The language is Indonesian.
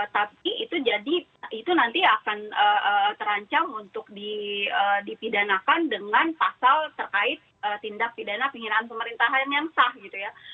tapi itu jadi itu nanti akan terancam untuk dipidanakan dengan pasal terkait tindak pidana penghinaan pemerintahan yang sah gitu ya